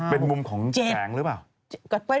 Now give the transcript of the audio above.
เป็นมุมของแสงหรือเปล่า